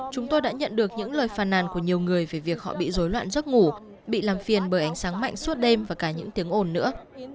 chúng tôi đã nhận được những lời phàn nàn của nhiều người về việc họ bị dối loạn giấc ngủ bị làm phiền bởi ánh sáng mạnh suốt đêm và cả những tiếng ồn nữa